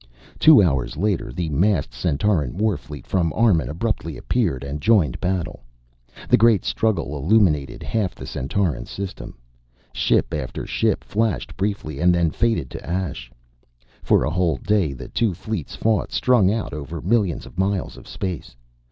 Two hours later the massed Centauran warfleet from Armun abruptly appeared and joined battle. The great struggle illuminated half the Centauran system. Ship after ship flashed briefly and then faded to ash. For a whole day the two fleets fought, strung out over millions of miles of space.